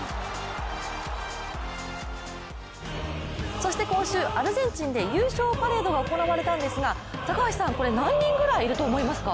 そして、今週アルゼンチンで優勝パレードが行われたんですが高橋さん、これ何人ぐらいいると思われますか。